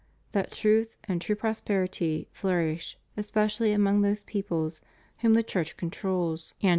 that truth and true prosperity flourish especially among those peoples whom the Church controls and 494 CHRISTIAN DEMOCRACY.